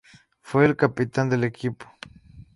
Fue el capitán del equipo.